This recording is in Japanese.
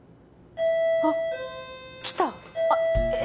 あっ来たえっと